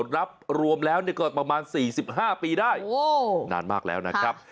รับรวมแล้วก็ประมาณ๔๕ปีได้นานมากแล้วนะครับ